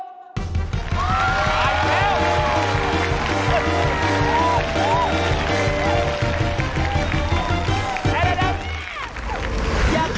ซอยอะไรซอยผม